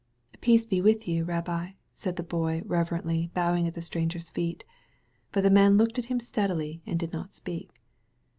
"Peace be with you. Rabbi," said the Boy, reverently bowing at the stranger's feet. But the man looked at him steadily and did not speak.